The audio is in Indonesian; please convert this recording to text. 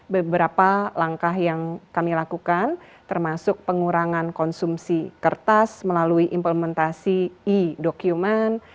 beberapa langkah yang kami lakukan termasuk pengurangan konsumsi kertas melalui implementasi e dokumen